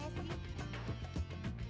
aduh wan jamil